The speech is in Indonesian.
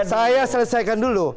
saya selesaikan dulu